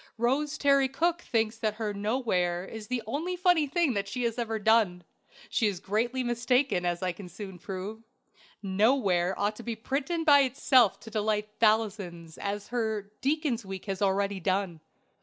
Rose Terry Cooke thinks her "Knoware" the only funny thing she has ever done. She is greatly mistaken, as I can soon prove. "Knoware" ought to be printed by itself to delight thousands, as her "Deacon's Week" has already done.